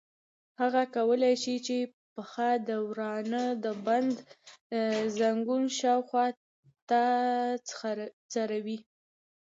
هغه کولای شي چې پښه د ورانه د بند زنګون شاوخوا ته څرخوي.